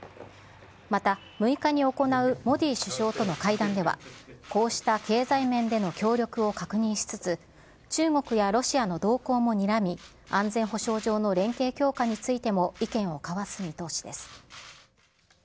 また６日に行うモディ首相との会談では、こうした経済面での協力を確認しつつ、中国やロシアの動向もにらみ、安全保障上の連携強化についても意見を交わす見通しです。